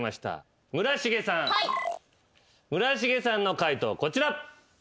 村重さんの解答こちら。